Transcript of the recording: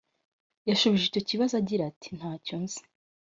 yashubije icyo kibazo agira ati ntacyo nzi